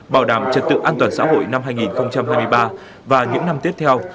bảo đảm trật tự an toàn xã hội năm hai nghìn hai mươi ba và những năm tiếp theo